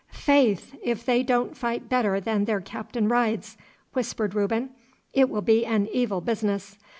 'Faith! If they don't fight better than their captain rides,' whispered Reuben, 'it will be an evil business.